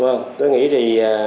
vâng tôi nghĩ thì